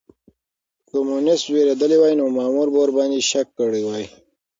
که کمونيسټ وېرېدلی وای نو مامور به ورباندې شک کړی وای.